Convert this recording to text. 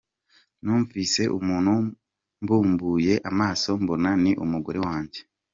Numvise umuntu mbumbuye amaso mbona ni umugore wanjye.